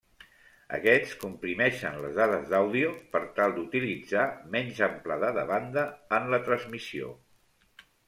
Aquests comprimeixen les dades d'àudio per tal d'utilitzar menys amplada de banda en la transmissió.